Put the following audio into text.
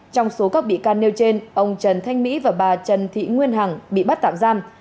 trong số các bị can nêu trên ông trần thanh mỹ và bà trần thị nguyên hằng bị bắt tạm giam